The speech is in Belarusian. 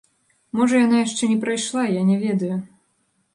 Можа, яна яшчэ не прайшла, я не ведаю.